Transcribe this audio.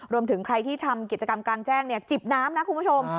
รวมถึงใครที่ทำกิจกรรมกลางแจ้งจิบน้ำนะคุณผู้ชม